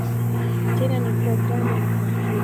Tena ni programu ya kompyuta.